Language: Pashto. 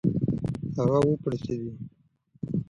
هغه و پړسېډی .